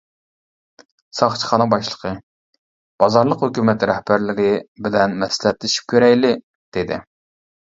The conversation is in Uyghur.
ساقچىخانا باشلىقى: «بازارلىق ھۆكۈمەت رەھبەرلىرى بىلەن مەسلىھەتلىشىپ كۆرەيلى» دېدى.